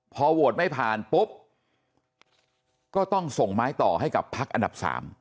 พอโหวตไม่ผ่านปุ๊บก็ต้องส่งไม้ต่อให้กับพักอันดับ๓